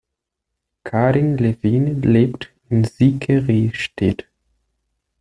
Carin Levine lebt in Syke-Ristedt.